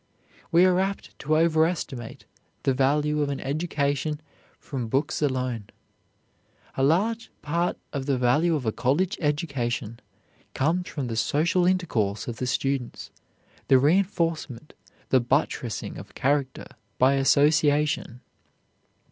We are apt to overestimate the value of an education from books alone. A large part of the value of a college education comes from the social intercourse of the students, the reenforcement, the buttressing of character by association.